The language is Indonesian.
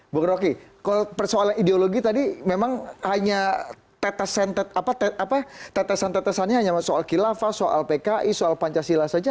bung roky kalau persoalan ideologi tadi memang hanya tetesan tetesannya hanya soal khilafah soal pki soal pancasila saja